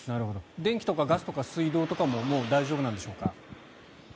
電気とかガスとか水道とかももう大丈夫なんでしょうか？